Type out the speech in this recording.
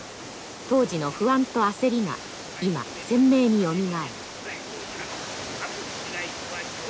当時の不安と焦りが今鮮明によみがえる。